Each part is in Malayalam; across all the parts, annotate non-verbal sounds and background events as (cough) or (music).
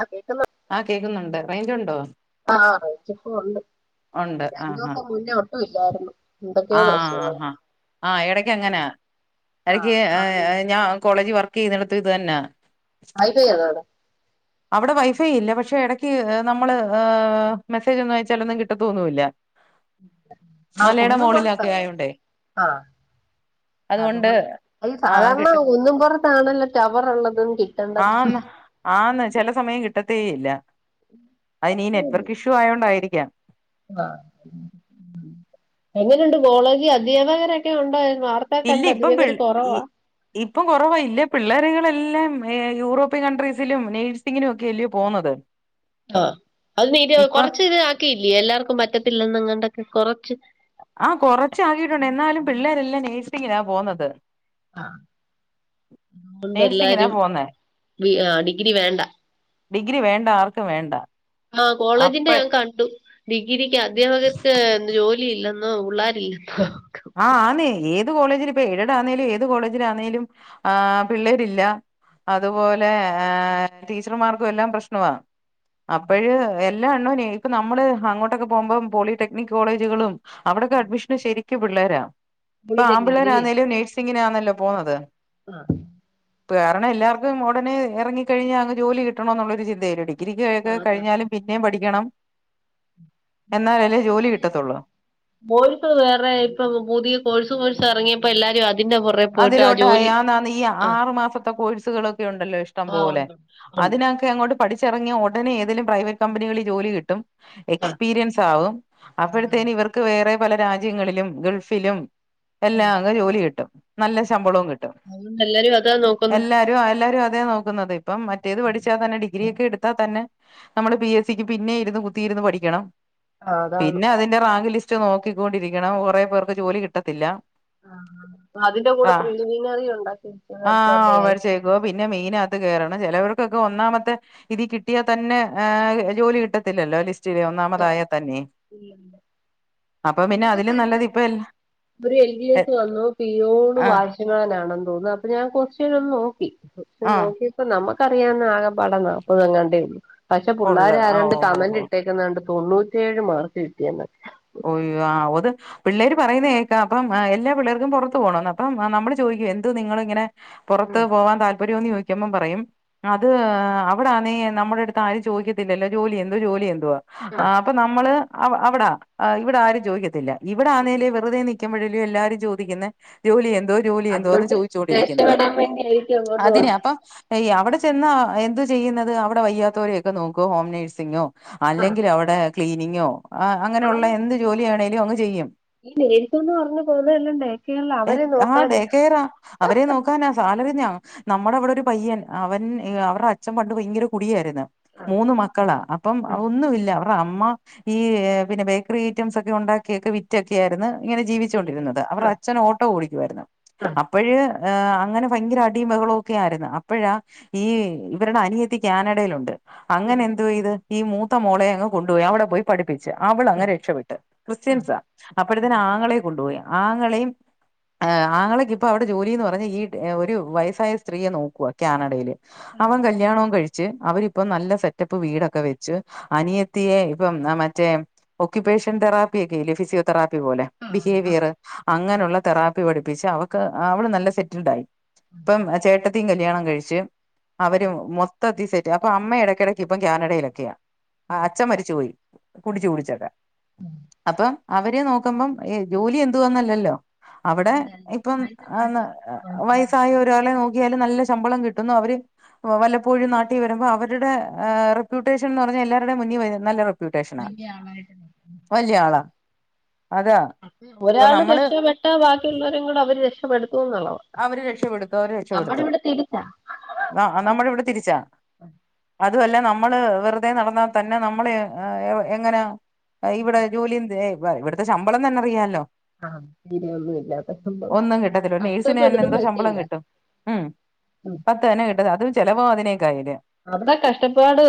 അ കേക്ക്‌ന്നു ആ കേക്കുന്നുണ്ട് റേഞ്ച് ണ്ടോ ആ റെയ്ഞ്ച് പ്പൊ ഉണ്ട് രണ്ടുസം മുന്നേ ഒ ആഹ ആഹ് എടയ്ക്കങ്ങനാ ആ എടയ്ക്ക് ആന്ന് ഞാൻ കോളേജ് വർക്ക് ചെയ്യ്ന്നിടത്തും ഇത് തന്ന (unintelligible) അവടെ വൈഫൈ ഇല്ല പക്ഷെ എടക്ക് നമ്മള് ഹ് മെസ്സേജൊന്നും അയച്ചാലൊന്നും കിട്ടത്തോന്നൂല്ല ആ മലേടെ കുന്നും മോളിലൊക്കെ പുറത്താണ് ആയോണ്ടേ ആ അതുകൊണ്ട് അത് ഈ ആഹ് സാധാരണ കിട്ടും ഉന്നും പൊറത്താണല്ലോ ടവർ ഉള്ളതും കിട്ടണ്ടതും ആന്ന് ആന്ന് ചെല സമയം കിട്ടത്തേ ഇല്ല അതീ നെറ്റ്വർക്ക് ഇഷ്യൂ ആയതോണ്ടായിരിക്കാം വ എങ്ങനെയുണ്ട് കോളേജി അധ്യാപകരൊക്കെ ഉണ്ടോ വാർ ഇല്ല ഇപ്പം പി (unintelligible) ഈ കൊറവാ ഇപ്പം കൊറവാ ഇല്ലേ പിള്ളേര്കളെല്ലാം എ യൂറോപ്യൻ കൺട്രീസിലും നേഴ്സിങ്ങിനും ഒക്കെ അല്ലെ പോന്നത് (inaudible) ആ അത് തീര കൊർച്ച് ഇത് ആക്കിയില്ലേ എല്ലാർക്കും പറ്റത്തില്ലന്നങ്ങണ്ടൊക്കെ കൊറച്ച് ആ കൊറച്ചാക്കിട്ടുണ്ട് എന്നാലും പിള്ളേരെല്ലാം നേഴ്സിങ്ങിനാ പോന്നത് ആ അതുകൊണ്ട് നേഴ്സിങ്ങിനാ എല്ലാരും പോന്നേ ആ ഡിഗ്രി വേണ്ട ഡിഗ്രി വേണ്ട ആർക്കും വേണ്ട ആ അപ്പ കോളേജിന്റെ ഞാൻ കണ്ടു ഡിഗ്രിക്ക് അധ്യാപകർക്ക് ജോലി ക്കില്ലെന്നോ ഉള്ളാരില്ലെന്നോ അ ആന്നേ ഏത് കോളേജില് പ്പൊ ഏതാന്നേലും ഏത് കോളേജിലാന്നേലും ആ പിള്ളേരില്ല അതുപോലെ ഏ ടീച്ചർമാർക്കും എല്ലാം പ്രശ്നമാണ് അപ്പഴ് എ ല്ല (unintelligible) ഇപ്പ നമ്മള് അങ്ങോട്ടൊക്കെ പോകുമ്പോ പോളിടെക്നിക് കോളേജുകളും അവിടൊക്കെ അഡ്മിഷന് ശെരി ക്ക് പിള്ളേരാ ഇപ്പൊ പോളിടെക്നിക്കിനില്ലേ ആമ്പിള്ളാന്നേലും നഴ്സിങ്ങിനാന്നല്ലോ പോന്നത് ആഹ് പ്പേറണം എല്ലാർക്കും ഒടനെ എറങ്ങി കഴിഞ്ഞാ അങ്ങ് ജോലി കിട്ടണം ന്നുളള ഒരു ചിന്ത അല്ലെ ടി ഡിഗ്രിെ ക്കെ ആഹ് കഴിഞ്ഞാലും പിന്നേം പഠിക്കണം എന്നാലല്ലേ ജോലി കിട്ടത്തൊള്ളു കോഴ്സ് വേറെ ഇപ്പം പുതിയ കോഴ്സ് കോഴ്സ് എറങ്ങിയപ്പോ എല്ലാരും അതിന്റെ പൊ അതിലോട്ടായാന്നാന്ന് ഈ ആറു മാസത്തെ കോഴ്സുകളൊക്കെ ഒണ്ടല്ലോ ഇഷ്ടം ആഹ് പോലെ ഉണ്ട് ഉണ്ട് അതിന ക്കെ അങ്ങോട്ട് പഠിച്ചെറങ്ങിയ ഒടനെ ഏതേലും പ്രൈവറ്റ് കമ്പനികളിൽ ജോലി കിട്ടും ആഹ് എക്സ്പീരിയൻസാകും അതാണ് അപ്പോഴത്തേന് ഇവർ ക്ക്‌ വേറെ പല രാജ്യങ്ങളിലും ഗൾഫിലും ഉം. എല്ലാം അങ്ങ് ജോലി കിട്ടും ല്ല ഷമ്പളും കിട്ടും അതുകൊണ്ട് എല്ലാരും അതാ നോക്കുന്നെ എല്ലാം എല്ലാരും എല്ലാരും അതാ നോക്കുന്നത് ഇപ്പം മറ്റേത് പഠിച്ചാ തന്നെ ഡിഗ്രിയൊക്കെ ഇട്ത്താ തന്നെ നമ്മള് പി എസ്സി ക്ക് പിന്നെ ഇരുന്ന് കുത്തിയിരുന്ന് പഠിക്കണം ആഹ് അതാണ് പിന്നെ അത് ന്റെ റാങ്ക് ലിസ്റ്റ് നോക്കിക്കൊണ്ടിരിക്കണം കൊറെ പേർക്ക് ജോലി കിട്ടത്തില്ല ആ അ അതിന്റെ കൂടെ ആ പ്രിലിമിനറി ഉണ്ടാക്കി (unintelligible) പ്പൊ പിന്നെ മെയിനകത്ത് കേറണം ചെലോർക്കൊക്കെ ഒന്നാമത്തെ ഇതി കിട്ട്യാ തന്നെ ഏ ജോലി കിട്ടത്തില്ലല്ലോ ലിസ് റ്റ്ല് ഒന്നാമതായ തന്നെ അപ്പൊ പിന്നെ ഇന്നലെ അതിലും തന്നെ നല്ലത് ഇപ്പ എല്ല ഒരു എ ടി എസ് വന്നു പിയൂണ് ആഹ് വാച്ച് മാനാണെന്ന് തോന്നുന്നു അപ്പൊ ഞാൻ കൊച്ചിനൊന്ന് നോക്കി കൊച്ച്നെ ആഹ് നോക്കി പ്പ നമ്മക്കറിയാവുന്ന ആകെ പാടെ നാപ്പതെങ്ങാണ്ടേള്ളു പക്ഷെ ഉള്ള് ആഹ് പുള്ളാരാരാണ്ട് ഓഹ് ഓഹ് കമന്റ് ഓഹ് ഇട്ടേ ക്ക്‌ന്നത് കണ്ട് തൊണ്ണൂറ്റേഴ് മാർക്ക് കിട്ടിന്നൊക്കെ ഉയ്യോ ആ ഒത് പിള്ളേര് പറയുന്ന കേക്കാം അപ്പം എല്ലാ പിള്ളേർക്കും പൊറത്തു പോണോന്ന് അപ്പം നമ്മള് ചോദിക്കും എന്തു നിങ്ങള് ഇങ്ങനെ പൊറത്ത് പോവാൻ താല്പര്യംന്ന് ചോദി ക്കുമ്പ പറയും അത് അവടന്നെ നമ്മടെ അടുത്ത് ആരും ചോദിക്കത്തില്ലല്ലോ ജോലി എന്ത് ജോലി എന്ത ന്തുവാ ആഹ് ആഹ്‌ പ്പോ നമ്മള് അവടാ ആഹ് ഇവടാരും ചോയിക്കത്തില്ല ഇവടെ ആന്നേല് വെറുതെ നി ക്കുമ്പോഴല്യോ എല്ലാരും ചോദിക്കുന്നെ ജോലി എന്തോ ജോലി എന്തുവാന്ന് അതുകൊണ്ട് ചോയിച്ചോണ്ടിരിക്കുന്നത് രക്ഷപ്പെടാൻ വേണ്ടിയായിരിക്കും അങ്ങോട്ട് അതിനെ പോന്നെ അപ്പോ ഏയ് അവടെ ചെന്നാ എന്ത് ചെയ്യുന്നത് അവടെ വയ്യാത്തവരെക്കെ നോക്കുവോ ഹോം നേഴ്സിങ്ങോ ആഹ് അല്ലെങ്കില് അവടെ ക്ലീനിങ്ങോ അങ്ങനൊള്ളെ എന്ത് ജോലിയാണേലും അങ്ങ് ചെയ്യും. നേഴ്‌സുന്ന് പറഞ്ഞ് പോകുന്നതെല്ലാം ഡേക്കേറില് എ- അവരെ ആ ഡേ നോക്കാനാ കെയറാ അവരെ നോക്കാനാ സാലറി നമ്മടെ അവടൊരു പയ്യൻ അവൻ അവർടെ അച്ഛൻ പണ്ട് ഭയങ്കര കുടിയാരുന്ന് മൂന്ന് മക്കളാ അപ്പം ഒന്നുവില്ല അവരുടെ അമ്മ ഈഹ് ഏഹ് പിന്നെ ബേക്കറി ഐറ്റംസെക്കെ ഒണ്ടാക്കിയൊക്കെ വിറ്റൊക്കെയാര്ന്ന് ഇങ്ങനെ ജീവിച്ചോണ്ടിരുന്നത് അവര്ടെ അച്ഛൻ ഓ ട്ടോ ഓടിക്കുവാരുന്നു അപ്പോഴ് ഏഹ് അങ്ങനെ ഭയങ്കര അടിം ബഹളൊക്കെ ആരുന്ന് അപ്പഴാ ഈഹ് ഇവരടെ അനിയത്തി കാനടെലോണ്ട് അങ്ങനെ എന്തോ ചെയ്ത് ഈ മൂത്ത മോളയങ്ങ് കൊണ്ടുപോയി അവടെ പോയി പഠിപ്പിച്ച അവളങ്ങ് രക്ഷപ്പെട്ട് ക്രിസ്ത്യൻസാ അപ്പഴത്തെന് ആങ്ങളയെ കൊണ്ടുപോയി ആങ്ങളേം ഏഹ് ആങ്ങളക്കിപ്പോ അവടെ ജോലിന്ന് പറഞ്ഞ ഈ ഒരു വയസ്സായ സ്ത്രീയെ നോക്കുവാ കാനടെല് അവൻ കല്യാണോം കഴി ച്ച് അവരിപ്പ നല്ല സെറ്റപ്പ് വീടൊക്കെ വെച്ചു അനിയത്തിയെ ഇപ്പം മറ്റേ ഒക്യുപേഷൻ തെറാപ്പിയെക്കെ ഇല്ലേ ഫിസിയോതെറാപ്പി പോലെ ബിഹേവിയറ് അങ്ങനെള്ള തെറാ പ്പി പഠിപ്പിച്ച് അവക്ക് അവള് നല്ല സെറ്റിൽടായി ഇപ്പം ചേട്ടത്തിം കല്യാണം കഴിച്ച് അവര് മൊത്തത്തിസെറ്റ് അപ്പോ അമ്മ എടക്കെടക്ക് ഇപ്പം കാനടെലൊക്കെയാ. ആഹ് അച്ഛൻ മരിച്ചു പോയി കുടിച്ചു കുടിച്ചക്കെ അപ്പം അവര് നോക്കുമ്പം ജോലി എന്തുവാന്നല്ലല്ലോ അവടെ ഇപ്പം ഏഹ് വയസ്സായ ഒരാളെ നോക്കിയാലും നല്ല ശമ്പളം കിട്ടുന്നു അവര് വല്ലപ്പോഴും നാട്ടി വരുമ്പോ അവരുടെ റെപ്യൂട്ടേഷൻ എന്ന് പറഞ്ഞാ എല്ലാരുടെ മുന്നി നല്ല റെ പ്യുട്ടേഷനാ. (unintelligible) വല്യളാ അതാ ഇപ്പൊ ഒരാള് നമ്മള് രക്ഷപ്പെട്ടാ ബാക്കിയുള്ളവരും കൂടെ അവര് രക്ഷപ്പെടുത്തും എന്നുള്ളതാ അവര് രക്ഷപ്പെടുത്തും അവര് രക്ഷപ്പെടുത്തും നമ്മളിവടെ തിരിച്ചാ അതുവല്ല നമ്മള് വെറുതെ നടന്നാ തന്നെ നമ്മള് എങ്ങനാ ഇവടെ ജോലി എന്ത് ഇവടുത്തെ ശമ്പളം തന്നെ അറിയാലോ ആഹ് (inaudible) ഒന്നും കിട്ടത്തില്ല (unintelligible) (unintelligible) എന്തോ ശമ്പളം പൈസയില്ല കിട്ടും ഉം ഉം. പത്തന്നെ കിട്ടത് അതും ചെലവോ അതിനേക്കായില്ലെ അവടെ കഷ്ടപ്പാട്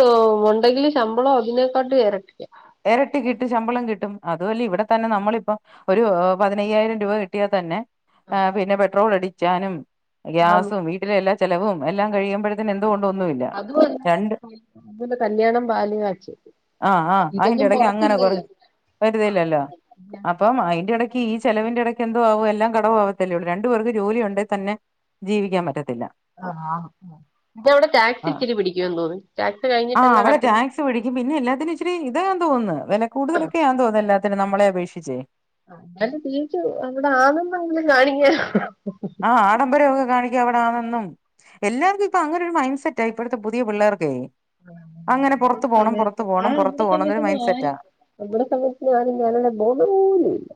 ഒണ്ടങ്കിലും ശമ്പളം അതിനെക്കാട്ട് എരട്ടിയാ എരട്ടി കിട്ടും ശമ്പളം കിട്ടും അത് വല്ല ഇവടെ തന്നെ നമ്മളിപ്പോ ഒരു പതിനയ്യായിരം രൂപ കിട്ടിയാ തന്നെ ആഹ് പിന്നെ പെട്രോൾ അടിക്കാനും ആന്ന് ഗ്യാസും വീട്ടിലെ എല്ലാ ചെലവും എല്ലാം കഴിയുമ്പഴ ത്തെന് എന്തോവോണ്ട് ഒന്നുവില്ല അതുമല്ല രണ്ട് അതുപോലെ കല്യാണം പാല് കാച്ച് ആഹ് ആഹ് ഇതൊന്നും അയിന്റെടക്ക് അങ്ങനെ കൊറെ പുറത്തില്ലല്ലോ വരുതില്ലല്ലോ അപ്പം അയിന്റെടക്ക് ഈ ചെലവിന്റെ എടയ്ക്ക് എന്തോ ആവും എല്ലാം കടവാവത്തല്ലേള്ളൂ രണ്ടു പേർക്ക് ജോലിയൊണ്ടേ തന്നെ ജീവിക്കാൻ പറ്റത്തില്ല. ആഹ് ഇപ്പ അവടെ ടാക്സ് ആഹ് ഇച്ചിരി പിടിക്കോന്ന് തോന്ന് ടാക്സ് കഴിഞ്ഞിട്ടല്ല കട്ടിംഗ് പിടിക്ക പിന്നെ എല്ലാത്തിനു ഇച്ചിരി ഇതാന്ന്തോന്ന്ന്ന് വില കൂടുതലൊക്കണ് തോന്നു എല്ലാത്തിനും നമ്മളെ അപേക്ഷിച്ച് അന്ന് തിരിച്ച് അവിടെ ആന്നന്ന് എങ്കിലും കാണിക്ക ആ ഹ്ആഡംബരമൊക്കെ കാണിക്ക അവിടെ ആണെന്നും എല്ലാവർക്കും ഇപ്പൊ അങ്ങനെ ഒരു മൈൻറ് സെറ്റ് ഇപ്പോഴത്തെ പുതിയ പിള്ളേർക്കെ അങ്ങനെ പുറത്ത് പോണം പുറത്ത് സമയത്ത് പോണം പുറത്ത്പോണം ഒരു മൈന്റ് സെറ്റാ നമ്മടെ സമയത്തി ഞാന് ഞാനാണെ ബോധപോലും ഇല്ല.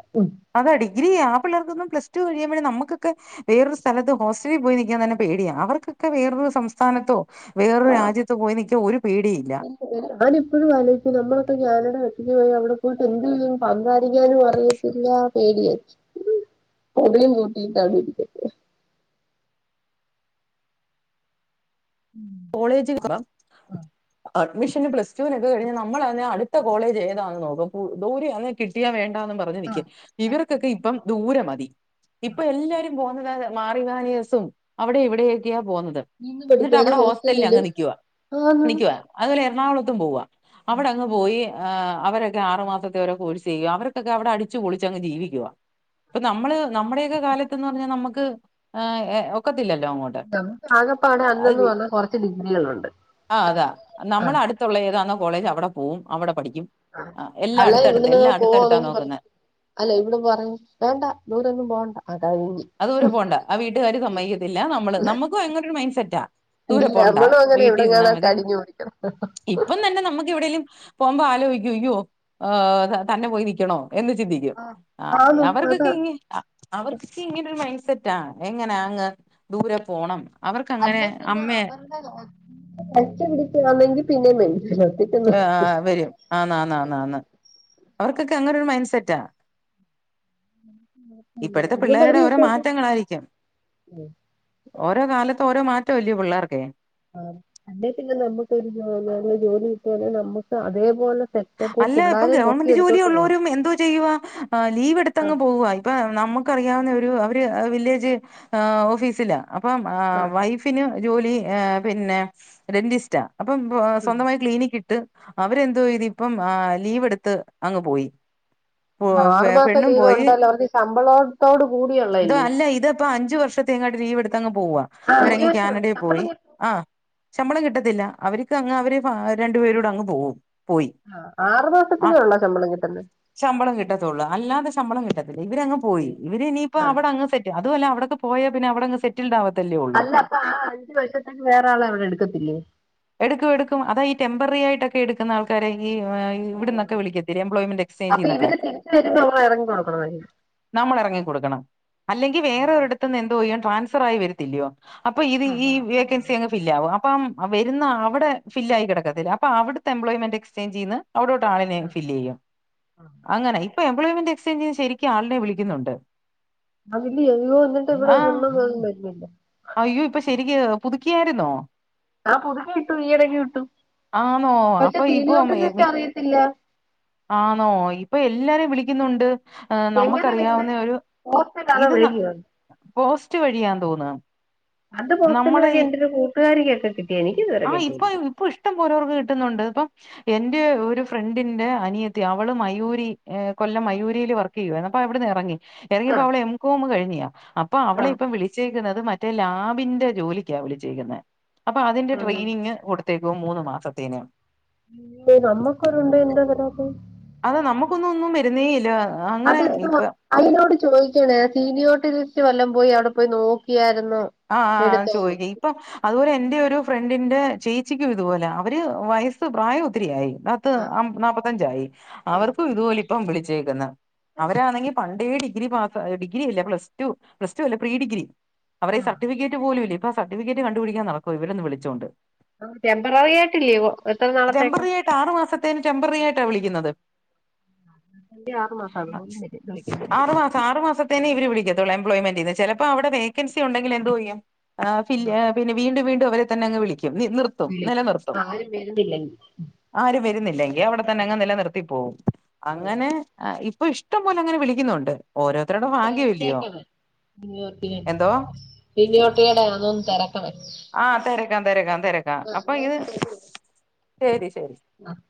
അതാ ഡിഗ്രി ആ പിള്ളർക്കൊന്നും പ്ല്സ് ടു കഴിയുമ്പോഴേ നമുക്ക് വേറൊരു സ്ഥലത്ത് ഹോസ്റ്റലിൽ പോയി നൽക്കാൻ തന്നെ പേടിയ അവർക്കൊക്കെ വേറൊരു സംസ്ഥാനത്തോ വേറൊരു രാജത്ത് പോയി നിക്ക ഒരു പേടി ഇല്ല. ഞാനിഎപ്പോഴും ആലോചിക്കും നമ്മളൊക്കെ കാനഡ ഒറ്റക്ക് പോയി അവിടെ പോയിട്ട് എന്തയ്യും സംസാരിക്കാനും അറയ ത്തില്ല പേടിയാച്ച് പൊടിയും കൂട്ടിയിട്ടവിടെഇരിക്കും കോളേജിൽ (unintelligible) അഡ്മിഷന് പ്ലസ് ടുവിനൊക്കെ കഴിഞ്ഞാൽ നമ്മൾ ആണെ അടുത്ത കോളേജ് ഏതാ നോക്കും ദൂരെയാണേൽ കിട്ടിയ വേണ്ടന്ന് പറഞ്ഞ് നിക്കും ഇവർക്കൊക്കെ ഇപ്പം ദൂരെ മതി ഇപ്പൊ എല്ലാരും പോന്നത് മാറിമാനേഴ്സും അവിടെ ഇവിടെയൊക്കെയാ പോകുന്നത് നിന്ന് എന്നിട്ട് പഠിക്കാന അവിടെ ഹോസ്റ്റലിൽ അങ്ങ് ഹോസ്റ്റലിലും നിക്കുവാ ആണ് നിക്കുവാ അതുപോലെ എറണാകുളത്തും പോവാ അവിടെ അങ്ങ് പോയി അ അവരൊക്കെ ആറു മാസത്തെരെ കോഴസ് ചെയ്യ അവർക്കൊക്കെ അവിടെ അടിച്ച്പൊളിച്ചങ്ങ് ജീവിക്കുവ ഇപ്പൊ നമ്മള് നമ്മുടെയൊക്കെ കാലത്ത്ന്ന് പറഞ്ഞാൽ നമുക്ക് ഒക്കത്തില്ലല്ലോ അങ്ങോട്ട് നമുക്ക് ആകപ്പാടെ അന്നന്ന് പറഞ്ഞാ കൊറച്ച് ഡിഗ്രികളുണ്ട് ആഹ് അതാ ആ നമ്മള അടുത്തുള്ള ഏതാണോ കോളേജ് അവിടെ പോവും അവിടെ പഠിക്കും. ആ ഹ്എല്ലാ അല്ല അടുത്തടുത്ത് ഇവിടുന്ന് എല്ലാം അടുത്തടുത്താ പോവാന്നെങ്കി നോക്കുന്ന പറയും അല്ല ഇവിടെ പറഞ്ഞ് വേണ്ട ദൂരൊന്നും പോണ്ട അകഴിഞ്ഞ് അത് ദൂരം പോണ്ട ആ വീട്ടുകാര് സമ്മയിക്കത്തില്ല നമ്മള് നമ്മുക്കും അങ്ങനെ ഒരു മൈന്റ് സെറ്റാ ദൂരെ ഇല്ല പോണ്ട നമ്മളും അങ്ങനെ വീട്ടിൽ ഇരുന്നാ ഇവിടെങ്ങണ മതി കയിഞ്ഞു പിടിക്കണ ഇപ്പം തന്നെ നമുക്ക് എവിടെങ്കലും പോകുമ്പോ ആലോചിക്ക അയ്യോ ഹ തന്നെ പോയി നിൽക്കണോ എന്ന് ചിന്തി ക്കുംആ ആന്ന് അതാ അവർക്കൊക്കെ ഇങ്ങ് അവർക്ക് ഇങ്ങന ഒരു മൈൻഡ് സെറ്റാ എങ്ങനെ അങ്ങ് ദൂരെ പോണം അവർക്ക് അങ്ങനെ അമ്മയ ക്ലച്ച് പിടിച്ച് വന്നെങ്കിൽ പിന്നെ മനസ്സിലാവും ആഹ് വരും ആന്നന്നന്നന്ന് അവർക്കൊക്കെ അങ്ങനെ ഒരു മൈൻഡ് സെറ്റാ ഇപ്പോഴത്തെ പിള്ളേരുടെ അവര് ഓരോ വിഷയമാക്കും മാറ്റങ്ങളായിരിക്കും ഓരോ കാലത്ത് ഓരോ മാറ്റം ഇല്ലയ പിള്ളേർക്കെ ആ അല്ലേ പിന്നെ നമ്മുക്കൊരു ജോലി കിട്ടിയാലെ നമ്മുക്ക് അതേപോലെ സെ അല്ല ഇപ്പം ഗവൺമെന്റ് ജോലി ഉള്ളവരും എന്തോ ചെയ്യവാ ആ ലീവ് എടുത്ത്ങ്ങ് പോവവാ ഇപ്പൊ നമുക്ക്റിയാവുന്ന ഒരു അവര് വില്ലേജ് ഓഫീസിലാ അപ്പം ആ ആഹ് ആഹ് വൈഫിന് ജോലി പിന്നെ ഡെന്റിസ്റ്റാ അപ്പം ആഹ് സ്വന്തമായി ക്ലീനിക് ഇട്ട് അവരെന്തോ ഇതിപ്പം ലീവ് എടുത്ത് അങ്ങ് പോയി ആറുമാസം പെണ്ണും ലീവ് പോയി ഉണ്ടല്ലോ അവർക്ക് ശമ്പളത്തോട് കൂടിയള്ളല്ലേ ങ്ങാട്ട് ലീവ് എടുത്തങ് പോവാ അവരങ്ങ് കാനഡയിൽ പോയി ശമ്പളം കിട്ടും ആഹ ശമ്പളം കിട്ടത്തില്ല അവർക്ക് അങ്ങ് അവര് രണ്ടു പേരോടെ അങ്ങ് പോകും പോയി ആഹ് ആറ് ആ മാസത്തിനേ ഉള്ളോ ശമ്പളം കിട്ടുന്നെ ശമ്പളം കിട്ടത്തുള്ളൂ അല്ലാതെ ശമ്പം കിട്ടത്തില്ല ഇവരങ്ങ് പോയി ഇവര് ഇനിയിപ്പോ അവിടെങ് സെ അതു അല്ല അവിടെക്കെ പോയാ പിന്നെ അവിടെ സെ റ്റിൽഡ് ആകത്തല്ലേ ഉള്ളൂ അല്ല ആ അഞ്ച് വർശത്തേക്ക് വേറെ ആളെ അവിടെ എടുക്കത്തില്ലേ എടുക്കും എടുക്കും അതാ ഈ ടെമ്പറി ആയിട്ട്ക്കെ എടുക്കുന്ന ആൾക്കാരെ ഈ ഇവിടന്നൊക്കെ വിളിക്കത്ത എംപ്ലോയ്മെന്റ് അപ്പൊ എക്സ്ചേഞ്ച്ന്നൊക്കെ ഇവര് തിരിച്ച് വരുമ്പോ നമ്മൾ ഇറങ്ങി കൊടുക്കണമായിരിക്കും നമ്മൾ എറങ്ങിക്കൊടുക്കണം അല്ലെങ്കി വേറൊരിടത്തുന്ന് എന്തോ ചെയ്യോ ട്രാൻസ്ഫർ ആയി വരുത്തില്ലയോ അപ്പ ഇത് ഈ ആഹ് ആഹ് വേക്കൻസി അങ്ങ് ഫില്ലാവും അപ്പം വരുന്ന അവടെ ഫില്ലായി കിടക്കത്തില്ല. അപ്പ അവിടുത്തെ എംപ്ലോയ്മെന്റ് എക്സ്ചേഞ്ച്ന്ന് അവിടോട്ട് ആളിനെ ഫില്ലേയ്യും അങ്ങനെ ഇപ്പൊ എംപ്ലോയ്മെന്റ് എക്സ്ചേഞ്ചിന് ശരിക്കും ആളിനെ വിളിക്കുന്നുണ്ട് അത് ഇല്ലയ ആഹ് (unintelligible) അയ്യോ ഇപ്പൊ ശരിക്ക് പുതുക്കിയായിരുന്നോ ആഹ് പുതുക്കെ കട്ടു ഈയിടയ്ക്ക് കട്ടു ആണോ അപ്പൊ ഇപ്പോ അമ്മ അറിയത്തില്ല ആ ന്നൊ ഇപ്പൊ എല്ലാരും വിളിക്കുന്നുണ്ട് എങ്ങനെ വരുന്നെ നമുക്കറിയാവുന്ന ഒരു പോസ്റ്റിലാണോ ഇത് ന വഴിയോ പോസ്റ്റ് വഴിയാതോന്ന അത് പോസ്റ്റൽ വഴി എന്റരു കൂട്ടുകാരിക്കക്കെ കിട്ടിയെനി ആഹ് ഇപ്പൊ ഇപ്പൊ ഇഷ്ടം പോലോവർക്ക് കിട്ടുന്നുണ്ട് ഇപ്പൊ എന്റെ ഒരു ഫ്രണ്ടിന്റെ അനിയത്തി അവള് മയൂരി കൊല്ലം മയൂരിൽ വർ.. ഇബാളിപ്പോ അപ്പ അവിടുന്ന് ഇറങ്ങി ഇറങ്ങിയപ്പോ ആഹ് അവള് എംകോം കഴിഞ്ഞിയാ അപ്പൊ അവളെ ആഹ് ഇപ്പം വിളിച്ചേക്കുന്നത് റ്റ ലാബിന്റെ ജോലിക്കാ വിളി ചെകുന്നത് അപ്പൊ അതിന്റെ ആഹ് ട്രെയിനിങ് കൊടുത്ത്‌ ത്തെക്കും മൂന്ന് മാസത്തിനും നമ്മക്കൊരുണ്ട് എന്താ വരാതെ അത നമുക്കൊന്നും ഒന്നും വരുന്നേ ഇല്ല അങ്ങനെ അതന്തു വാ ഇപ്പൊ അതിനോട് ചോദിക്കണേ സീനിയോർട്ടിസിസ്റ്റ് വല്ലം പോയി അവിടെ പോയി നോക്കിയാരുന്നൊ ആഹ് ചോയ്ക്ക ഇപ്പൊ അതുപോലെ എന്റെ ഒരു ഫ്രണ്ടിന്റെ ചേച്ചിക്കും ഇതുപോലെ അവര് വയസ്സ് പ്രായം ഒത്തിരിയായി ത്ത് ആഹ് നാപ്പത്തഞ്ചായി ആഹ് അവർക്കും ഇതുപോലെ ഇപ്പം വിളിച്ചേക്കുന്ന് അവരാണെങ്കി പണ്ട്.. തേ ഡിഗ്രി മാത്ര ഡിഗ്രി അല്ല പ്ലസ്റ്റു പ്ലസ്റ്റു അല്ല പ്രീ ഡിഗ്രി അവരെ സർട്ടിഫിക്കറ്റ് പോലും ഇപ്പോ സർട്ടിഫിക്കറ്റ് കണ്ടു പിടിക്കാ നടക്ക ഇവനൊന്ന് വിളിച്ചോണ്ട് ആ ടെമ്പററി ആയിട്ടില്ലേ എത്ര നാളത്തേക്കാ ആറു മാസത്തേന് ടെെമ്പറി ആയിട്ടാണ് വിളിക്കുന്നത് അഞ്ച് ആറ് മാസം അതുപോലും വരും ആറ് മാസം ആറു മാസ തന്നെ ഇവരെ വിളിക്കത്തൂ എംപ്ളൊയ്മെന്ന്റെ ചെലപ്പോ അവിടെ വേക്കൻസി ഉണ്ടെങ്കിൽ എന്ത് ചെയ്യും ആ പി പിന്ന വീണ്ടും വീണ്ടും അവരെ തന്നെ അങ്ങ് വിളിക്കും നിർത്തും വിളി നിലനിർത്തും ആരും വരുന്നില്ലെങ്കിൽ ആരും വരുന്നില്ലെങ്കി അവിടെ തന്നെ അങ്ങ് നിലനിർത്തി പോകും അങ്ങനെ ആ ഇപ്പൊ ഇഷ്ടം പോലെ അങ്ങനെ വിളിക്കുന്നുണ്ട് ഓരോരുത്തരുടെ ഭാഗ്യം അല്ലയോ തിരക്കിയേക്കണേ ഇയ്യോട്ടിയ പിന്നോട്ടിടന്ന ഒന്ന് തിരക്കണേ ആഹ് തെരക്കാം തെരക്കാം ആഹ് അപ്പൊ എന്നാ ഇത് ശരി ശരി ആഹ്